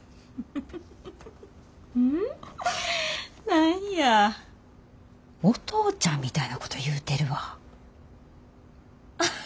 何やお父ちゃんみたいなこと言うてるわ。